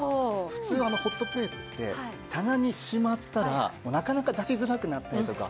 普通ホットプレートって棚にしまったらなかなか出しづらくなったりとか。